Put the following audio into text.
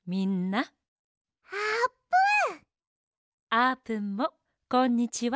あーぷんもこんにちは。